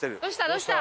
どうした？